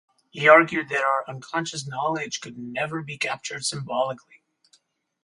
He argued that our unconscious knowledge could "never" be captured symbolically.